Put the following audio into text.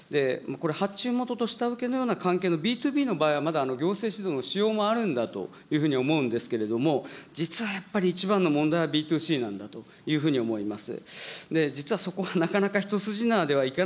これ、発注元と下請けのような関係のＢｔｏＢの場合はまだ行政指導の必要もあるんだというふうに思うんですけれども、実はやっぱり、一番の問題はＢｔｏＣなんだと思います。